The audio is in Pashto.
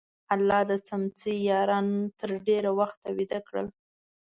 الله د څمڅې یاران تر ډېره وخته ویده کړل.